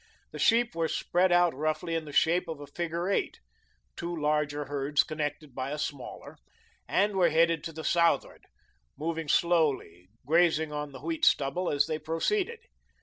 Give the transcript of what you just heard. The sheep were spread out roughly in the shape of a figure eight, two larger herds connected by a smaller, and were headed to the southward, moving slowly, grazing on the wheat stubble as they proceeded.